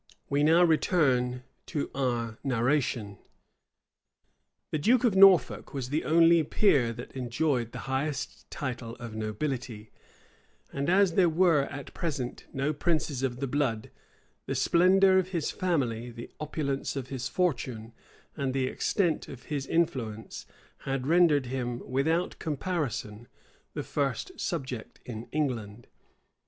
We now return to our narration. {1569.} The duke of Norfolk was the only peer that enjoyed the highest title of nobility; and as there were at present no princes of the blood, the splendor of his family, the opulence of his fortune, and the extent of his influence, had rendered him, without comparison, the first subject in England.